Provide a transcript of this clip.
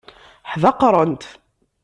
Ḥdaqrent.